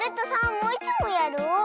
もういちもんやろう！